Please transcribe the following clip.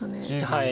はい。